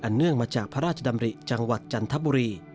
เนื่องมาจากพระราชดำริจังหวัดจันทบุรี